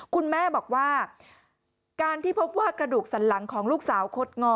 คุณแม่บอกว่าการที่พบว่ากระดูกสันหลังของลูกสาวคดงอ